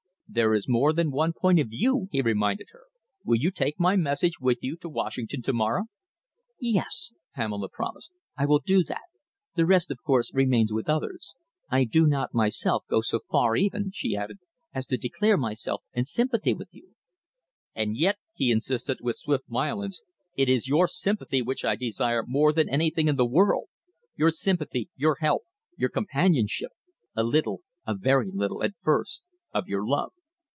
"There is more than one point of view," he reminded her. "Will you take my message with you to Washington to morrow?" "Yes," Pamela promised, "I will do that. The rest, of course, remains with others. I do not myself go so far, even," she added, "as to declare myself in sympathy with you." "And yet," he insisted, with swift violence, "it is your sympathy which I desire more than anything in the world your sympathy, your help, your companionship; a little a very little at first of your love."